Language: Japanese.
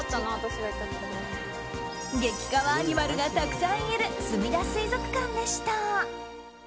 激かわアニマルがたくさんいるすみだ水族館でした。